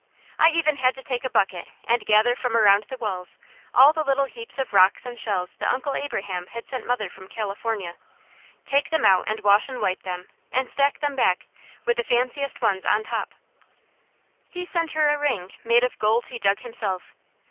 I even had to take a bucket and gather from around the walls all the little heaps of rocks and shells that Uncle Abraham had sent mother from California, take them out and wash and wipe them, and stack them back, with the fanciest ones on top. He sent her a ring made of gold he dug himself.